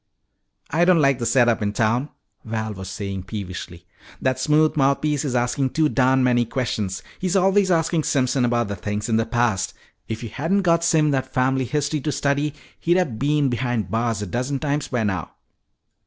"I don't like the set up in town," Red was saying peevishly. "That smooth mouthpiece is asking too darn many questions. He's always asking Simpson about things in the past. If you hadn't got Sim that family history to study, he'd been behind bars a dozen times by now."